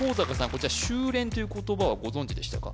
こちら収斂という言葉はご存じでしたか？